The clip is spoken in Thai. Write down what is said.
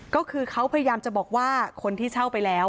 ก็คือเขาพยายามจะบอกว่าคนที่เช่าไปแล้ว